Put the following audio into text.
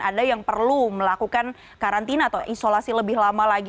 ada yang perlu melakukan karantina atau isolasi lebih lama lagi